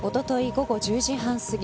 午後１０時半すぎ